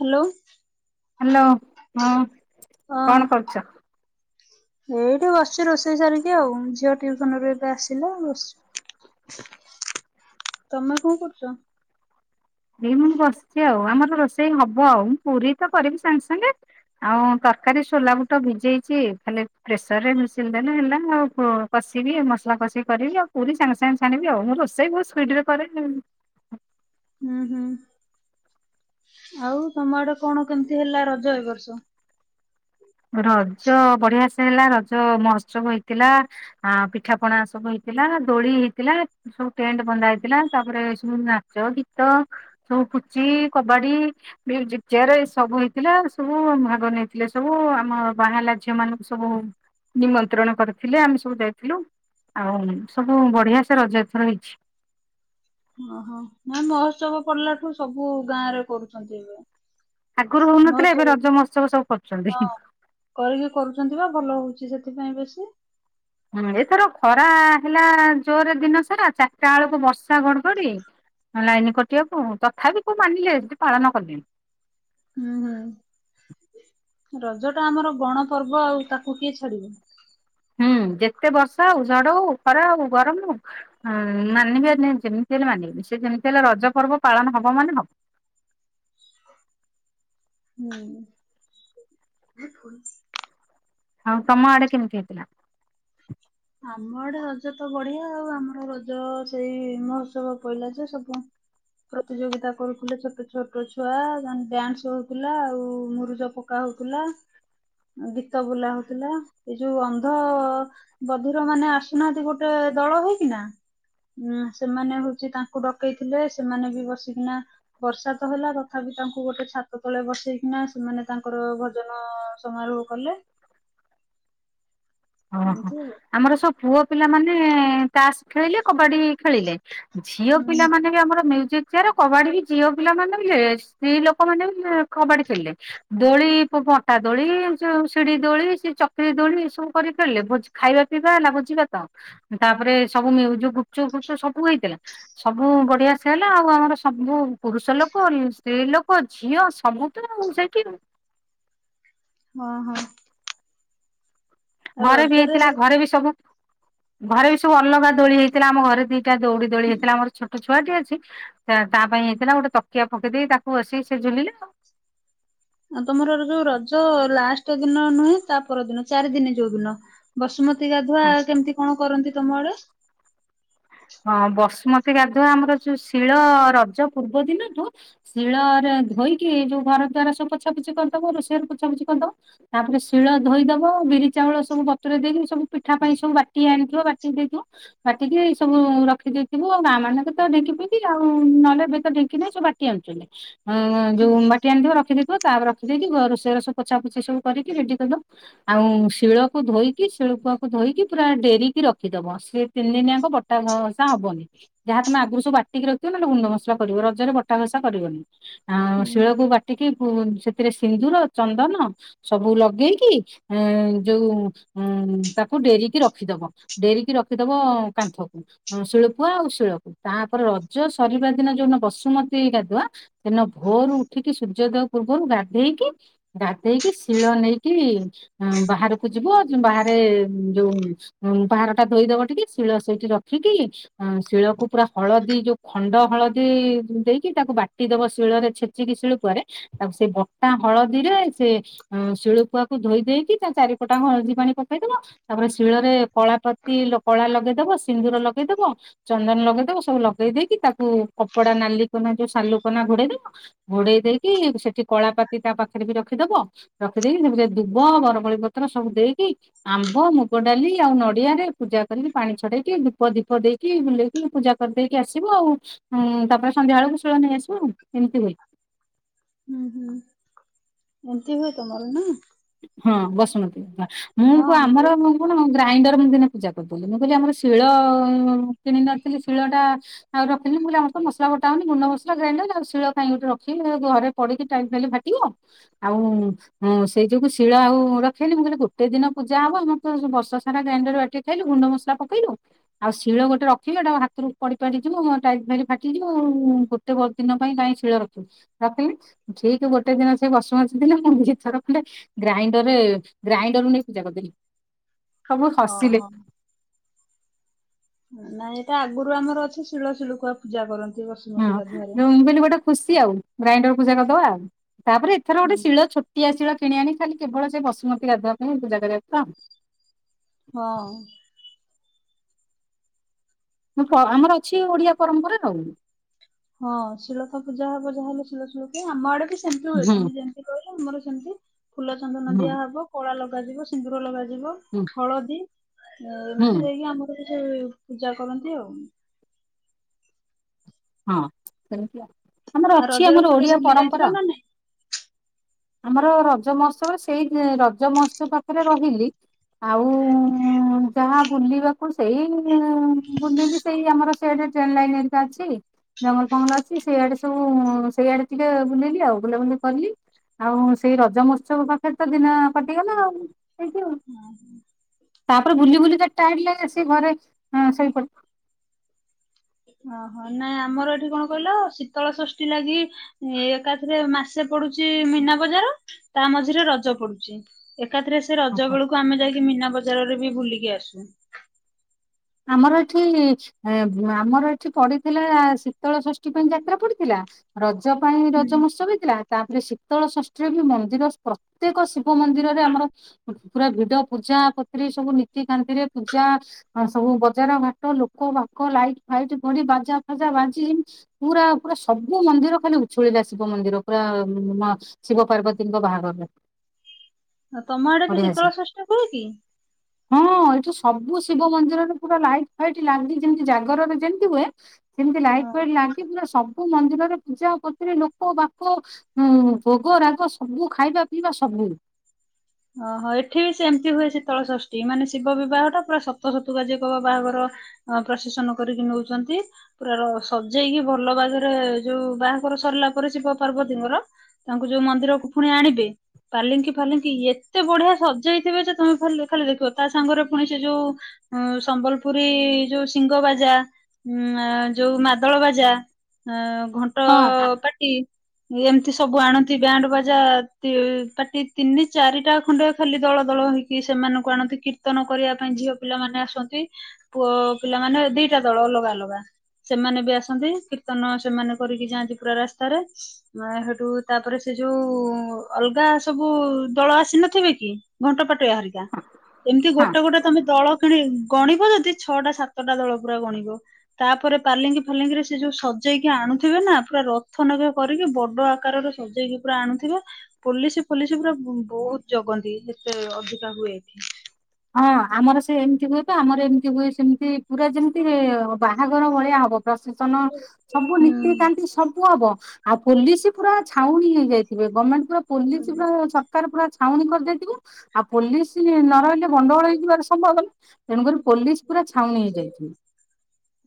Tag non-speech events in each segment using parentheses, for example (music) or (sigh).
Hello. Hello, ହଁ କଣ କରୁଚ? ଏଇଠି ବସଚୁ ରୋଷେଇ ସାରିକି ଆଉ, ଝିଅ ଟିଉସନ ରୁ ଏବେ ଆସିଲା ବସିଛୁ। ତମେ କଣ କରୁଚ? ଏଇ ମୁଁ ବସିଛି ଆଉ, ଆମର ରୋଷେଇ ହବ ଆଉ, ମୁଁ ପୁରୀ ତ କରିବି ସାଙ୍ଗେ ସାଙ୍ଗେ। ଆଉ ତରକାରୀ ସୋଲା ବୁଟ ଭିଜେଇଛି, ଖାଲି ପ୍ରେସରରେ ମିଶାଇ ଦେଲେ ହେଲା ଆଉ। କଷିବି ମସଲା କଷିକି କରିବି ଆଉ ପୁରୀ ସାଙ୍ଗେ ସାଙ୍ଗେ ଛାଣିବି ଆଉ, ମୁଁ ରୋଷେଇ ବହୁତ୍ ସ୍ପିଡି ରେ କରେ। ହୁଁ ହୁଁ। ଆଉ ତମ ଆଡେ କଣ କେମିତି ହେଲା ରଜ ଏ ବର୍ଷ। ରଜ ବଢିଆ ସେ ହେଲା, ରଜ ମହୋତ୍ସବ ହେଇଥିଲା। ଆ ପିଠା ପଣା ସବୁ ହେଇଥିଲା, ଦୋଳି ହେଇଥିଲା। ସବୁ ଟେଣ୍ଟ ବନ୍ଧା ହେଇଥିଲା, ତାପରେ ସବୁ ନାଚ ଗୀତ। ସବୁ ପୁଚି କବାଡ଼ି। ଚେୟାର ଏ ସବୁ ହେଇଥିଲା, ସବୁ ଭାଗ ନେଇଥିଲେ ସବୁ। ଆମ ବାହାଲା ଝିଅ ମାନଙ୍କୁ ସବୁ ନିମନ୍ତ୍ରଣ କରିଥିଲେ, ଆମେ ସବୁ ଯାଇଥିଲୁ। ଆଉ ସବୁ ବଢିଆ ସେ ରଜ ଏଥର ହେଇଛି। ଓହୋ, ନାଇ ମହୋତ୍ସବ ପଡିଲା ଠୁ ସବୁ ଗାଁ ରେ କରୁଛନ୍ତି ଏବେ। ଆଗରୁ ହଉନଥିଲେ ଏବେ ମହୋତ୍ସବ ରଜ ମହୋତ୍ସବ ସବୁ କରୁଛନ୍ତି। ହଁ କରିକି କରୁଛନ୍ତି ବା, ଭଲ ହଉଛି ସେଥିପାଇଁ ବେଶୀ। ହୁଁ ଏଥର ଖରା ହେଲା ଜୋରରେ ଦିନ ସାରା, ଚାରିଟା ବେଳକୁ ବର୍ଷା ଘଡଘଡି। ଲାଇନ କଟିବାକୁ, ତଥାପି କୋଉ ମାନିଲେ, ସେଠି ପାଳନ କଲେଣି। ହୁଁ ହୁଁ ରଜ ଟା ଆମର ଗଣ ପର୍ବ ଆଉ, ତାକୁ କିଏ ଛାଡିବ? ହୁଁ ଯେତେ ବର୍ଷା ହଉ, ଝଡ ହଉ, ଖରା ହଉ, ଗରମ ହଉ। ହଁ ମାନିବେନି, ଯେମିତି ହେଲେ ମାନିବେ, ସେ ଯେମିତି ହେଲେ ରଜ ପର୍ବ ପାଳନ ହବ ମାନେ ହବ। ହୁଁ ଉଁ। ଆଉ ତମ ଆଡେ କେମିତି ହେଇଥିଲା? ଆମ ଆଡେ ରଜ ତ ବଢିଆ ଆଉ, ଆମର ରଜ ସେଇ ମହୋତ୍ସବ ପଇଲା ଯେ ସବୁ ପ୍ରତିଯୋଗିତା କରୁଥିଲେ ଛୋଟ ଛୋଟ ଛୁଆ, ତାଙ୍କ ଡ୍ୟାନ୍ସ ହଉଥିଲା ଆଉ ମୁରୁଜ ପ ପକା ହଉଥିଲା, ଗୀତ ବୋଲା ହଉଥିଲା, ଏ ଯୋଉ ଅନ୍ଧ ବଧିର ମାନେ ଆସୁନାହାନ୍ତି ଗୋଟେ ଦଳ ହେଇକି ନା। ଉଁ ସେମାନେ ହଉଛି ତାଙ୍କୁ ଡକେଇଥିଲେ, ସେମାନେ ବି ବସିକିନା ବର୍ଷା ତ ହେଲା, ତଥାପି ତାଙ୍କୁ ଗୋଟେ ଛାତ ତଳେ ବସେଇକିନା ସେମାନେ ତାଙ୍କର ଭଜନ ସମାରୋହ କଲେ। ହଁ ହଁ, ଏମିତି ଆଉ ଆମର ସବୁ ପୁଅ ପିଲାମାନେ ତାସ୍ ଖେଳିଲେ, କବାଡ଼ି ଖେଳିଲେ, ଝିଅ ହୁଁ ପିଲାମାନେ ବି ଆମର ମ୍ୟୁଜିକ ଯାର କବାଡି ବି ଝିଅ ପିଲା ମାନେ ସ୍ତ୍ରୀ ଲୋକମାନେ ବି କବାଡି ଖେଳିଲେ। ଦୋଳି ପଟା ଦୋଳି, ଯଉ ସିଡି ଦୋଳି, ସେ ଚକ୍ରି ଦୋଳି ଏ ସବୁ। କରି ଖେଳିଲେ, ଖାଇବା ପିଇବା ହେଲା ଭୋଜି ଭାତ ତାପରେ ସବୁ (unintelligible) ଗୁପୁ ଚୁପ୍ ସବୁ ହେଇଥିଲା। ସବୁ ବଢିଆ ସେ ହେଲା ଆଉ, ଆମର ସବୁ ପୁରୁଷ ଲୋକ, ସ୍ତ୍ରୀ ଲୋକ, ଝିଅ ସବୁ ତ ସେଇଠି ହଁ ହଁ। ଆଉ ଘରେ ବି ରଜରେ ହେଇଥିଲା ଘରେ ହଉଛି ବି ସବୁ ଘରେ ବି ସବୁ ଅଲଗା ଦୋଳି ହେଇଥିଲା ଆମ ଘରେ ଦିଟା ଦୌଡି ଦୋଳି ହେଇଥିଲା ଆର ଛୋଟ ଛୋଟ ଛୁଆଟି ଅଛି ତା ପାଇଁ ହେଇଥିଲା ଗୋଟେ ତକିଆ ପକେଇ ଦେଇ ତାକୁ ଆସି ସେ ଝୁଲିଲେ। ତମର ଯୋଉ ରଜ ଲାଷ୍ଟ ଦିନ ନୁହେଁ ତା ପର ଦିନ ଚାରି ଦିନେ ଯୋଉ ଦିନ ବସୁମତୀ ପ୍ରତି ଗାଧୁଆ କେମିତି କଣ କରନ୍ତି ତମ ଆଡେ ହଁ ବସୁମତୀ ଗାଧୁଆ ଆମର ଯୋଉ ଶିଳ ରଜ ପୂର୍ବ ଦିନଠୁ ଶିଳ ରେ ଧୋଇକି ଯୋଉ ଘର ଦ୍ଵାର ସବୁ ପୋଛା ପୋଛି କରିଦବୁ ଋଷେଇ ପୋଛାପୋଛି କରିଦବ। ତାପରେ ଶିଳ ଧୋଇଦବ ବିରି ଚାଉଳ ସବୁ ବତରେ ଦେଇକି ସବୁ ପିଠା ପାଇଁ ସବୁ ବାଟି ଆଣିଥିବ ବାଟି ଦେଇଥିବ। ବାଟିକି ସବୁ ରଖିଦେଇଥିବୁ ଆଉ ମା ମାନଙ୍କୁ ତ ଢେଙ୍କିି ଫିଙ୍କି ଆଉ ନହେଲେ ଏବେ ତ ଢେଙ୍କିହିଁ ସବୁ ବାଟି ଆଣୁଥିଲେ। ଆଉ ଯୋଉବାଟି ଆଣିଥିବ ରଖିଦେଇଥିବ ତାପରେ ରଖିଦେଇି ରୋଷେଇ ବାସ ସବୁ ପୋଛା ପୋଛି ସବୁ କରିକି ରେଡି କରିଦବ। ଆଉ ଶିଳକୁ ଧୋଇକି ଶିଳପୁଆକୁ ଧୋଇକି ପୁରା ଡେରିକି ରଖିଦବ ସେ ତିନି ଦିନିଯାଙ୍କ ବ ବଟା ଘସା ହବନି ଯାହା ତମେ ଆଗରୁ ସବୁ ବାଟିକି ରଖିବ ନହେଲେ ଗୁଣ୍ଡ ମସଲା କରିବ ରଜରେ ବଟା ଘସା କରିବନି। ଆ ହୁଁ ଶିଳକୁ ବାଟିକି ସେଥିରେ ସିନ୍ଦୁର ଚନ୍ଦନ ସବୁ ଲଗେଇକି ଏ ଯୋଉ ଉ ତାକୁ ଡେରିକି ରଖିଦବ। ଡେରିକି ରଖିଦବ କାନ୍ଥ ଶିଳପୁଆ ଆଉ ଶିଳପ ତାପରେ ରଜ ସରିବା ଦିନ ଯୋଉଟା ବସୁମତୀ ଗାଧୁଆ ଦିନ ଭୋରରୁ ଉଠିକି ସୂର୍ଯ୍ୟୋଦୟ ପୂର୍ବରୁ ଗାଧେଇକି ଗାଧୋଇକି ଶିଳ ନେଇକି ବାହାରକୁ ଯିବ ବାହାରେ ଯଉ ବାହାରଟା ଧୋଇଦବ ଟିକେ ଶୀଳ ସେଇଠି ରଖିକି। ଅ ଶିଳକୁ ପୁରା ହଳଦୀ ଯୋଉ ଖଣ୍ଡ ହଳଦୀ ଦେଇକି ତାକୁ ବାଟିଦବ ଶିଳରେ ଛେ ଚିକି ଶିଳୁପୂଆରେ ତାକୁ ସେ ବଟା ହଳଦୀରେ ସେ ଅ ଶିଳପୁଆକୁ ଧୋଇ ଦେଇକି ତା ଚାରିପଟା ହଳଦୀ ପାଣି ପକେଇଦବ। ତାପରେ ଶିଳରେ କଳା ପ୍ରତି କଳା ଲଗେଇଦବ ସିନ୍ଦୁର ଲଗେଇଦବ। ଚନ୍ଦନ ଲଗେଇଦବ ସବୁ ଲଗେଇ ଦେଇେକି ତାକୁ କପଡା ନାଲି କନା ଯୋଉ ସାଲୁକନା ଘୋଡେଇ ଦବ। ଘୋଡେଇ ଦେଇକି ସେଠି କଳାପାତି ତା ପାଖରେ ବି ରଖିଦବ। ରଖିଦେଇକି ସେମତି ଦୁବ ବରକୋଳି ପତ୍ର ସବୁ ଦେଇକି ଆମ୍ବ ମୁଗ ଡାଲି ଆଉ ନଡିଆରେ ପୂଜା କରିକି ପାଣି ଛଡେଇ ଦୀପ ଦୀପ ଦେଇକି ବୁଲେଇକି ପୂଜା କରିଦେଇକି ଆସିବ ଆଉ। ହୁଁ ତାପରେ ସନ୍ଧ୍ୟା ବଳକୁ ଶୂଳ ନେଇ ଆସିବୁ ଆଉ ଏମିତି ହ ହୁଁ ହୁଁ ଏମତି ହୁଏ ତମର ନା ହଁ ବସୁମତୀ ମୁଁ ହଁ ତ ଆମର ବି କଣ ସେମିତି ଗ୍ରାଇଣ୍ଡର ମୁଁ ଦିନେ ପୂଜା କରିଦି ମୁଁ କହିଲି ଆମର ଶିଳ କିଣ ନଥିଲି ଶିଳ ଟା ଆଉ ରଖିଲି ବ ଆମ ମସଲା ବଟା ହଉନି ଗୁଣ୍ଡ ମସଲା ଗ୍ରାଇଣ୍ଡର ଆଉ ଶିଳ କାହିଁକି ରଖିବି ଘରେ ପଡିକି ଟାଇ (unintelligible) ଆଉ ହ ସେଇ ଯୋଗୁ ଶିଳ ଆଉ ରଖିଲ ମୁଁ ଗୁଟେ ଦିନ ପୂଜାହବ ମୁଁ ବର୍ଷ ସାରା ଗ୍ରାଇଣ୍ଡର ବାଟିବି ଖାଇଲୁ ଗୁଣ୍ଡ ମସଲା ପକେଇଲୁ। ଆଉ ଶିଳ ଗୋଟେ ରଖିଲେ ଏଟା ହାତରୁ ପଡି ପାଡି ଯିବ ଟାଇଲ ଫାଇଲ ଫାଟିଯିବ। ଗୋଟେ ଦିନ ପାଇଁ କାଇଁ ଶିଳ ରଖିବ ତା ପାଇଁ ଠିକ ଗୋଟେ ଦିନ ସେ ବସୁମତୀ ଥିଲେ ମୁଁ ନି ଥର ହେଲେ ଗ୍ରାଇଣ୍ଡରରେ ଗ୍ରାଇଣ୍ଡରରୁୁ ନେଇ ପୂଜା କରିଦେବି ସବୁ ହଁ ହସିଲେ। ହଁ ନାଇଁ ଏଟା ଆଗରୁ ଆମର ଅଛି ଶିଳ ଶିଳପୁଆ ପୂଜା କରନ୍ତି ବର୍ଷ- ହଁ ମୁଁ ବୋଇଲିି ଗୋଟେ ଖୁସି ଆଉ ଗ୍ରାଇଣ୍ଡର ପୂଜା କରିଦବା ଆଉ ତାପରେ ଏଥର ଗୋଟେ ହୁଁ ଶିଳ ଛୋଟ। ଟିଆ ଶିଳ କିଣି ଆଣି ଖାଲି କେବଳ ସେ ବସୁମତୀ ଗାଧୁଆ ପାଇଁ ପୂଜା କରିବା କଥା ହଁ ଆମର ଅଛି ଓଡିଆ ପରମ୍ପରା ତ ହଁ ଶିଳ ପୂଜା ହବ ଯାହାହଲେ ଶିଳ ଶିଳପୁଆ ଆମ ଆଡେ ବି ସେମିତି ହୁଏ ହୁଁ ତମ ଯେତି କହିଲେ ଆମର ସେମିତି ଫୁଲ ଚନ୍ଦନ ହୁଁ ଦିଆ ହବ କଳା ଲଗାଯିବ ସିନ୍ଦୁର ଲଗାଯିବ ହୁଁ ହଳଦୀ ହୁଁ ଏମିତି ଯାଇକି ଆମର କିଛି ପୂଜା କରନ୍ତି ଆଉ ହଁ ସେମତି ଆମର ଆଉ ଅଛି ରଜରେ ଆମର କୁଆଡେ ଓଡିଆ ବୁଲି ଯାଇଥିଲ ପରମ୍ପରା ନା ନାଇଁ? ଆମର ରଜ ମହୋତ୍ସବ ସେଇ ରଜ ମହୋତ୍ସବ ପାଖରେ ରହିଲି ଆଉ ଯାହା ବୁଲିବାକୁ ସେଇ ବୁଲିଲି ସେଇ ଆମର ସେଆଡ ଟ୍ରେନ ଲାଇନ ହାରିକା ଅଛି। ଜଙ୍ଗଲ ଫଙ୍ଗଲ ଅଛି ସେଇଆଡେ ସବୁ ସେଇଆଡେ ଟିକେ ବୁଲେଲି ଆଉ ବୁଲାବୁଲି କଲି। ଆଉ ସେଇ ରଜ ମହୋତ୍ସବ ପାଖରେ ତ ଦିନ କଟିଗଲା ଆଉ ହେଇଠି ଆଉ। ତାପରେ ବୁଲି ବୁଲି ଚାର୍ଟା ହେଲେ ଆସି ଘରେ ଅ ଶୋଇପ ଓହୋ ନାଇଁ ଆମର ଏଠି କଣ କହିଲ ଶୀତଳ ଷଷ୍ଠୀ ଲାଗି ଏ ଏକାଥରେ ମାସେ ପଡୁଛି ମୀନା ବଜାର। ତା ମଝିରେ ରଜ ପଡୁଛି ଏକାଥରେ ସେ ରଜ ବେଳକୁ ଆମେ ଯାଇକି ମୀନା ବଜାରରେ ବି ବୁଲିକି ଆସୁ। ଆମର ଏଠି ଏ ଆମର ଏଠି ପଡିଥିଲା ଶୀତଳ ଷଷ୍ଠୀ ପାଇଁ ଯାତ୍ରା ପଡିଥିଲା। ରଜ ପାଇଁ ହୁଁ ରଜ ମହୋତ୍ସବ ହେଇଥିଲା। ତାପରେ ଶୀତଳ ଷଷ୍ଠୀରେ ବି ମନ୍ଦିର ପ୍ରତ୍ୟେକ ଶିବ ମନ୍ଦିରରେ ଆମର ପୁରା ଭିଡ ପୂଜା ପତ୍ରି ସବୁ ନୀତିକାନ୍ତିରେ ପୂଜା ହଁ ସବୁ ବଜାର ଘାଟ ଲୋକ ବାକ ଲାଇଟ ଫାଇଟ ପଡ଼ି ବାଜା ଫାଜା ବାଜି ପୁରା ପୁରା ସବୁ ମନ୍ଦିର ଖାଲି ଉଛୁଳିଲେ ସିବ ମନ୍ଦିର ପୁରା ମା ଶିବ ପାର୍ବତୀଙ୍କ ବାହାଘରରେ। ଆ ତମ ଆଡେ କିଛି ବଢିଆ ସେ। ଶୀତଳ ଷଷ୍ଠୀ କୁଏ କି? ହଁ ଏଠି ସବୁ ଶିବ ମନ୍ଦିରରେ ପୁରା ଲାଇଟ ଫାଇଟ ଲାଗି ଯେମତି ଜାଗରରେ ଯେମିତି ହୁଏ ସେମତି ଲାଇଟ୍ ହଁ ଫାଇଟି ଲାଗି ପୂରା ସବୁ ମନ୍ଦିରରେ ପୂଜା ପତିରେ ଲୋକ ବାକ ହୁଁ ଭୋଗ ରାଗ ସବୁ ଖାଇବା ପିଇବା ସବୁ। ଓହୋ ଏଠି ବି ସେମତି ହୁଏ ଶୀତଳ ଷଷ୍ଠୀ ମାନେ ଶିବ ବିବାହ ଟା ପୁରା ସତ ଶତୁ କା ଯିଏ କହିବ ବାହାଘର ଅ ପ୍ରଶାସନ କରିକି ନୋଉଛନ୍ତି। ପୁରା ର ସଜେଇକି ଭଲ ବାଗରେ ଯୋଉ ବାହାଘର ସରିଲା ପରେ ଶିବ ପାର୍ବତୀ ଙ୍କର ତାଙ୍କୁ ଯୋଉ ମନ୍ଦିରକୁ ପୁଣି ଆଣିବେ ପାର୍ଲିଙ୍କି ଫାଲିଙ୍କି ଏ ଏତେ ବଢିଆ ସଜଇଥିବେ ଯେ ତମେ ଖା ଖାଲି ଦେଖିବ ତା ସାଙ୍ଗରେ ପୁଣି ସେ ଯୋଉ ଉ ସମ୍ବଲପୁରୀ ଯୋଉ ସିଙ୍ଗବାଜା ଉ ଯୋଉ ମାଦଳ ବାଜା ହ ଘଣ୍ଟ ହଁ ପାଟି ଟି ଏମିତି ସବୁ ଆଣନ୍ତି ବ୍ୟାଣ୍ଡ ବାଜା ତି ପାଟି ତିନି ଚାରି ଟା ଖଣ୍ଡେ ଖାଲି ଦଳ ଦଳ ହେଇକି ସେମାନଙ୍କୁ ଆଣନ୍ତି କୀର୍ତ୍ତନ କରିବା ପାଇଁ ଝିଅ ପିଲାମାନେ ଆସନ୍ତି। ପୁଅ ପିଲା ମାନେ ଦିଟା ଦଳ ଅଲଗା ଅଲଗା। ସେମାନେ ବି ଆସନ୍ତି କୀର୍ତ୍ତନ ସେମାନେ କରିକି ଯାଆନ୍ତି ପୁରା ରାସ୍ତାରେ। ମ ହେଠୁ ତାପରେ ସେ ଯୋଉ ଅଲଗା ସବୁ ଦଳ ଆସ ନଥିବେ କି ଘଣ୍ଟପାଟୁଆ ହାରିକା ଏମିତି ଗୋଟେ ଗୋଟେ ତମେ ଦଳ କିଣି ଗଣିବ ଯଦି ଛଅଟା ସାତଟା ଦଳ ପୁରା ଗଣିବ। ତାପରେ ପାଲିଙ୍ଗି ଫାଲିଙ୍ଗିରେ ସେ ଯୋଉ ସଜେଇକି ଆଣୁଥିବେ ନା ପୁରା ରଥ ନଖ କରିକି ବଡ ଆକାରରେ ସଜେଇକି ପୁରା ଆଣୁଥିବେ ପୋଲିସ ପୋଲିସ ପୁରା ବହୁତ ଜଗନ୍ତି ଏତେ ଅଧିକା ହୁଏ ଏଠି। ହଁ ଆମର ସେ ଏମିତି ହୁଏ ତ ଆମର ଏମିତି ହୁଏ ସେମତି ପୁରା ଯେମିତି ବାହାଘର ଭଳିଆ ହବ। ପ୍ରଶେସନ ସବୁ ହୁଁ। ନୀତିକାନ୍ତି ସବୁ ହବ। ଆଉ ପୋଲିସ ପୁରା ଛାଉଣୀ ହେଇଯାଇଥିବେ ଗମେଣ୍ଟ ପୁରା ପୋଲିସ ପୁରା ସ ରକାର ପୁରା ଛାଉଣୀ କରିଦେଇଥିବ ଆଉ ପୋଲିସ ନ ରହିଲେ ଗଣ୍ଡଗୋଳ ହେଇଯିବାର ସମ୍ଭବନା ତେଣୁକରି ପୋଲିସ ପୁରା ଛାଉଣୀ ହେଇଯାଇଥିବେ।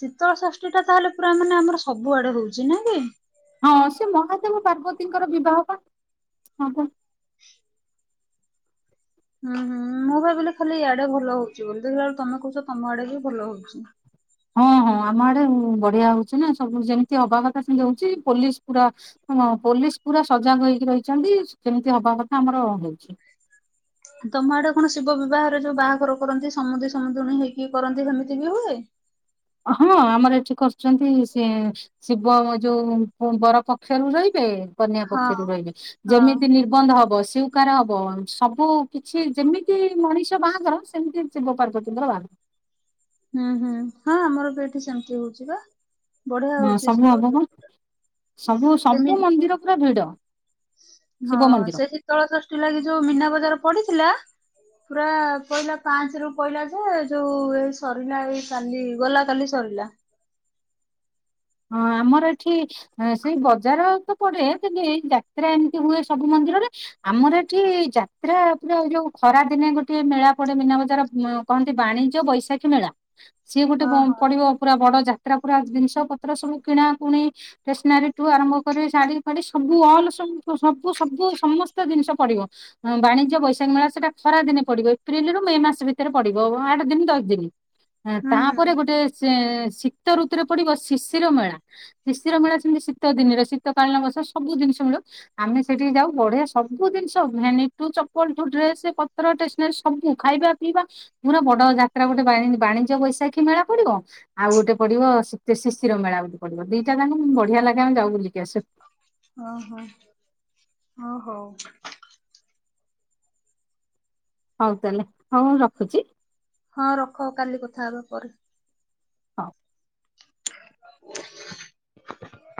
ଶୀତଳ ଷଷ୍ଠୀ ଟା ତାହେଲେ ପୁରା ମାନେ ଆମର ସବୁ ଆଡେ ହଉଛି ନା କି? ହଁ ସେ ମହାଦେବ ପାର୍ବତୀଙ୍କର ବିବାହ ବା ହଁ ବା। ହୁଁ ହୁଁ ମୁଁ ଭାବିଲି ଖାଲି ଇଆଡେ ଭଲ ହଉଛି ବୋଲି ଦେଖିଲାବେଳେକୁ ତମେ କହୁଛ ତମ ଆଡେ ବି ଭଲ ହଉଛି। ହଁ ହଁ ଆମ ଆଡେ ବଢିଆ ହଉଛି ନା ସବୁ ଯେମିତି ହବା କଥା ସେମିତି ହଉଛି ପୋଲିସ ପୁରା ହ ପୋଲିସ ପୁରା ସଜାଗ ହେଇକି ରହିଛନ୍ତି ଯେମିତି ହବା କଥା ଆମର ହେଉଛି। ତମ ଆଡେ କଣ ଶିବ ବିବାହରେ ଯୋଉ ବାହାଘର କରନ୍ତି ସମୁଦୀ ସମୁଦୁଣୀ ହେଇକି କରନ୍ତି ସେମିତି ବି ହୁଏ। ହଁ ଆମର ଏଠି କରୁଛନ୍ତି ସିଏ ଶିବ ଯୋଉ ବର ପକ୍ଷରୁ ରହିବେ କନ୍ୟା ହଁ। ପକ୍ଷରୁ ରହିବେ ହଁ ଯେମିତି ନିର ବନ୍ଧ ହବ ସ୍ବୀକାର ହବ ସବୁ କିଛି ଯେମିତି ମଣିଷ ବାହାଘର ସେମିତି ଶିବ ପାର୍ବତି ଙ୍କ ବାହାଘର। ହୁଁ ହୁଁ ହଁ ଆମର ପ ଏଠି ସେମିତି ହଉଛି ବା। ବଢିଆ ହଁ ହଉଛି ସବୁ ଶୀତଳ ହବ ପା ଷଷ୍ଠୀ। ସବୁ ସବୁ ସେମିତି ମନ୍ଦିର ପୁରା ଭିଡ଼। ହଁ ସେଠୀତଳ ଷ୍ଠଟି ଲାଗି ଯୋଉ ମୀନା ବଜାର ପଡିଥିଲା ପୁରା ପହିଲା ପାଞ୍ଚ ରୁ ପହିଲା ଯେ ଯୋଉ ଏଇ ସରିଲା ଏଇ କାଲି ଗଲା କାଲି ସରିଲା ହଁ ଆମର ଏଠ ହ ସେଇ ବଜାର ତ ପଡେ କିନ୍ତୁ ଏଇ ଯାତ୍ରା ଏମିତି ହୁଏ ସବୁ ମନ୍ଦିରରେ ଆମର ଏଠି ଯାତ୍ରା ପୁରା ଯୋଉ ଖରା ଦିନେ ଗୋଟେ ମେଳା ପଡେ ମିନା ବଜାର କହନ୍ତି ବାଣିଜ୍ୟ ବୈଶାଖୀ ମେଳା, ସିଏ ଗୋଟେ ହଁ ହଁ ପଡିବ ପୁରା ବଡ ଯାତ୍ରା ପୁରା ଜିନିଷ ର ସବୁ କିଣାକୁୁଣି ଷ୍ଟେସନାରି ଠୁ ଆରମ୍ଭ କରି ଶାଢୀ ସବୁ ଅଲ ସବୁ ସବୁ ସମସ୍ତ ଜିନିଷ ପଡିବ। ବାଣିଜ୍ୟ ବୈଶାଖ ମେଳ ସେଟା ଖରା ଦିନ ପଡିବ ଏପ୍ରିଲ ରୁ ମେ ମାସ ଭିତରେ ପଡିବ ଆଠ ଦିନ ଦଶ ଦିନ। ହୁଁ ହୁଁ ତାପରେ ଗୋଟେ ଶୀତ ଋତୁରେ ପଡିବ ଶିଶିର ମେଳା। ଶିଶିର ମେଳା ସେମିତି ଶୀତ ଦିନରେ ଶୀତକାଳୀନ ବର୍ଷ ସବୁ ଜିନିଷ ମିଳିବ। ଆମେ ସେଠିକି ଯାଉ ବଢିଆ ସବୁ ଜିନିଷ ଭେନିଟ ଠୁ, ଚପଲ ଠୁ, ଡ୍ରେସ ପତ୍ର ସବୁ ଖାଇବା ପିଇବା ପୁରା ବଡ ଯାତ୍ରା ଗୋଟେ ବାଣୀ ବାଣିଜ୍ୟ ବୈଶାଖୀ ମେଳା ପଡିବ, ଆଉ ଗୋଟେ ପଡିବ ଶିତେ ସି ଶିର ମେଳା ଗୋଟେ ପଡ଼ିବ, ଦିଟା ଯାକ ବଢିଆ ଲାଗେ ଆମେ ଯାଉ ବୁଲିକି ଆସୁ। ଓହୋ ଓ ହଉ। ହଉ ତାହେଲେ ହଉ ମୁ ରଖୁଛି। ହଁ ରଖ କାଲି କଥା ହେବା ପରେ। ହଁ (inaudible)